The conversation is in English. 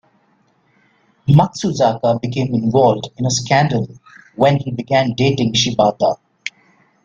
Matsuzaka became involved in a scandal when he began dating Shibata.